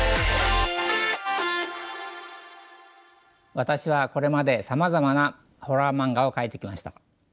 私はこれまでさまざまなホラー漫画を描いてきました。